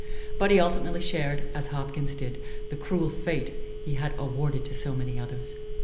But he ultimately shared, as Hopkins did, the cruel fate he had awarded to so many others.